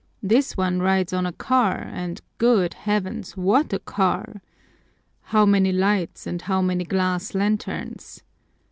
"This one rides on a ear, and, good Heavens, what a car! How many lights and how many glass lanterns!